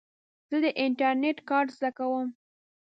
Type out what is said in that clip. زه د انټرنېټ کار زده کوم.